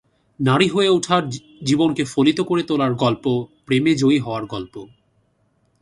নারীর হয়ে ওঠার, জীবনকে ফলিত করে তোলার গল্প, প্রেমের জয়ী হওয়ার গল্প।